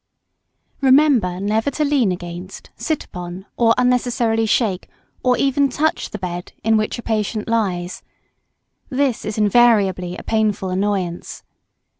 " Remember never to lean against, sit upon, or unnecessarily shake, or even touch the bed in which a patient lies. This is invariably a painful annoyance.